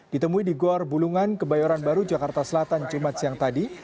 ditemui di gor bulungan kebayoran baru jakarta selatan jumat siang tadi